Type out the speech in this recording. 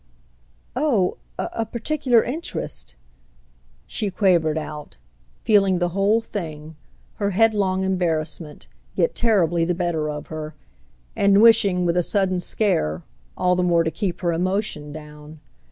"Oh a particular interest!" she quavered out, feeling the whole thing—her headlong embarrassment—get terribly the better of her, and wishing, with a sudden scare, all the more to keep her emotion down.